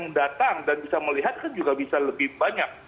yang datang dan bisa melihat kan juga bisa lebih banyak